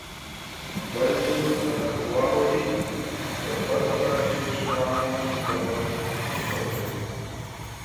بل دین ته واوړي پر هغه باندي شرعاً د مرګ حکم دی.